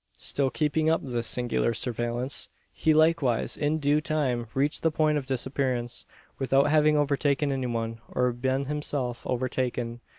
Still keeping up this singular surveillance, he likewise in due time reached the point of disappearance, without having overtaken any one, or been himself overtaken.